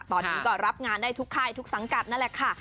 ตอนนี้ก็รับงานได้ทุกค่ายทุกสังกัดนั่นแหละค่ะ